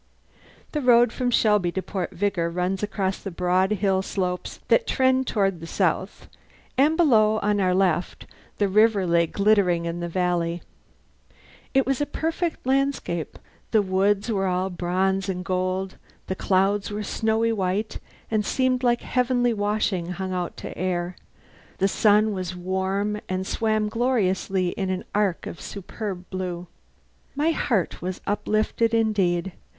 The road from Shelby to Port Vigor runs across the broad hill slopes that trend toward the Sound; and below, on our left, the river lay glittering in the valley. It was a perfect landscape: the woods were all bronze and gold; the clouds were snowy white and seemed like heavenly washing hung out to air; the sun was warm and swam gloriously in an arch of superb blue. My heart was uplifted indeed.